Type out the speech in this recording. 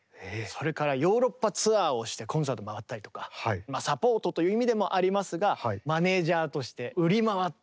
それからヨーロッパツアーをしてコンサート回ったりとかサポートという意味でもありますがマネージャーとして売り回って。